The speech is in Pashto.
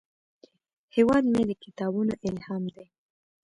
هیواد مې د کتابونو الهام دی